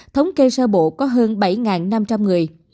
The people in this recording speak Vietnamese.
thống kê sơ bộ có hơn bảy năm trăm linh người